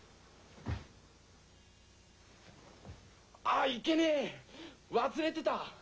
あっいけねえわすれてた！